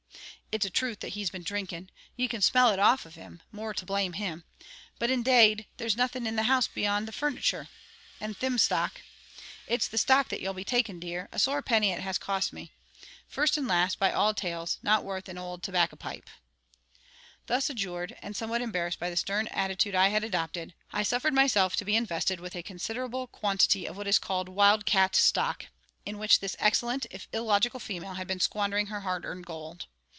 It's a truth that he's been drinking. Ye can smell it off of him, more blame to him. But, indade, and there's nothing in the house beyont the furnicher, and Thim Stock. It's the stock that ye'll be taking, dear. A sore penny it has cost me, first and last, and by all tales, not worth an owld tobacco pipe." Thus adjured, and somewhat embarrassed by the stern attitude I had adopted, I suffered myself to be invested with a considerable quantity of what is called wild cat stock, in which this excellent if illogical female had been squandering her hard earned gold.